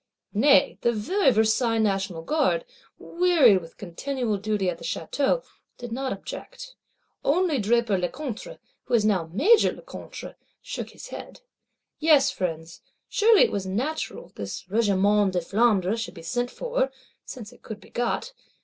Nay the very Versailles National Guard, wearied with continual duty at the Château, did not object; only Draper Lecointre, who is now Major Lecointre, shook his head.—Yes, Friends, surely it was natural this Regiment de Flandre should be sent for, since it could be got.